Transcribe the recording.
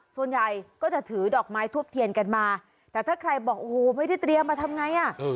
ส่วนใหญ่ก็จะถือดอกไม้ทูบเทียนกันมาแต่ถ้าใครบอกโอ้โหไม่ได้เตรียมมาทำไงอ่ะ